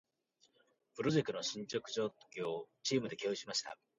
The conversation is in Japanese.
プロジェクトの進捗状況を、チームで共有しました。